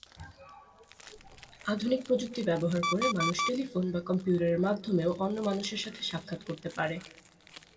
আধুনিক প্রযুক্তি ব্যবহার করে মানুষ টেলিফোন বা কম্পিউটারের মাধ্যমেও অন্য মানুষের সাথে সাক্ষাৎ করতে পারে।